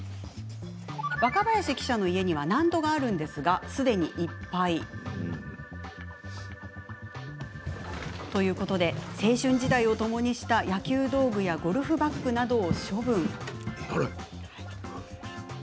若林記者の家には納戸がありますがすでにいっぱい。ということで青春時代をともにした野球道具やゴルフバッグなどを処分。